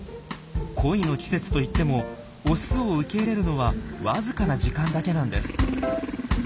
恋の季節といってもオスを受け入れるのはわずかな時間だけなんです。